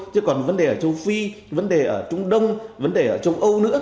chứ còn vấn đề ở châu phi vấn đề ở trung đông vấn đề ở châu âu nữa